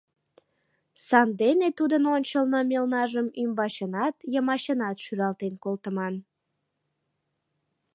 Сандене тудын ончылно мелнажым ӱмбачынат, йымачынат шӱралтен колтыман.